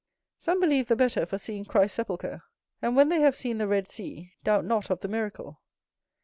Some believe the better for seeing Christ's sepulchre; and, when they have seen the Red Sea, doubt not of the miracle.